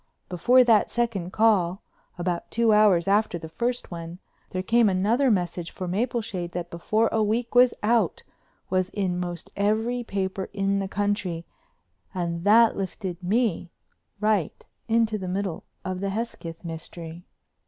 Before that second call, about two hours after the first one, there came another message for Mapleshade that before a week was out was in most every paper in the country and that lifted me right into the middle of the Hesketh mystery.